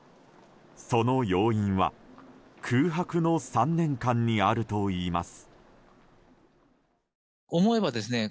その要因は空白の３年間にあるといいます。